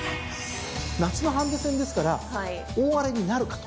夏のハンデ戦ですから大荒れになるかと。